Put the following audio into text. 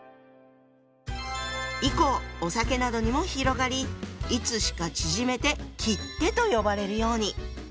以降お酒などにも広がりいつしか縮めて「切手」と呼ばれるように。